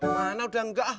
mana udah enggak